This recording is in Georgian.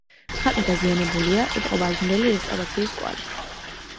ხატი დაზიანებულია, ეტყობა ადრინდელი რესტავრაციის კვალი.